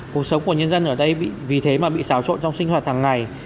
cuộc sống của nhân dân ở đây vì thế mà bị xáo trộn trong sinh hoạt hàng ngày